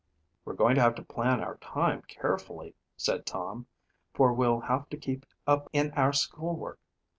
"We're going to have to plan our time carefully," said Tom, "for we'll have to keep up in our school work.